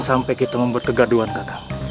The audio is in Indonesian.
sampai kita membuat kegaduan kakak